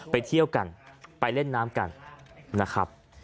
ไปเที่ยวกันไปเล่นน้ำกันนะครับ